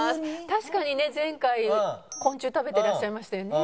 確かにね前回昆虫食べていらっしゃいましたよね。